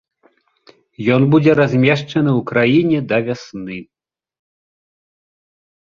Ён будзе размешчаны ў краіне да вясны.